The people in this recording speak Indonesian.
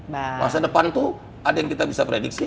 masa depan tuh ada yang kita bisa prediksi